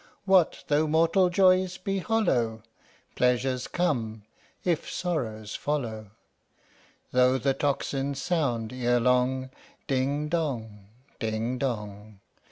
What though mortal joys be hollow? Pleasures come, if sorrows follow: Though the tocsin sound ere long, Ding Dong! Ding Dong!